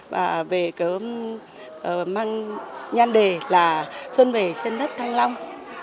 và về cái mang nhan đề là xuân về trên đất thăng long